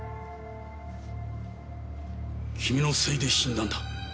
君のせいで死んだんだ。